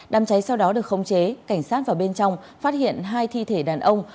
đám cháy sau đó được không chế cảnh sát vào bên trong phát hiện hai thi thể đàn ông